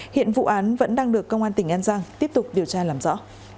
hiện vụ án vẫn đang được công an tỉnh an giang tiếp tục điều tra làm rõ